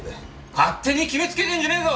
勝手に決めつけてんじゃねえぞ！